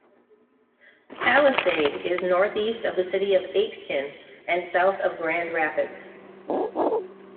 Palisade is northeast of the city of Aitkin and south of Grand Rapids.